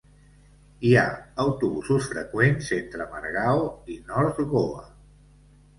Hi ha autobusos freqüents entre Margao i North Goa.